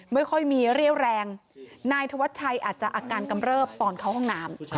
ไม่ค่อยมีเรี่ยวแรงนายธวัชชัยอาจจะอาการกำเริบตอนเข้าห้องน้ำ